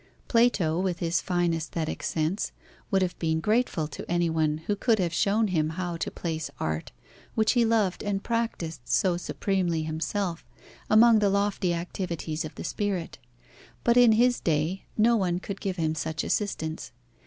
Plato, with his fine aesthetic sense, would have been grateful to anyone who could have shown him how to place art, which he loved and practised so supremely himself, among the lofty activities of the spirit. But in his day, no one could give him such assistance.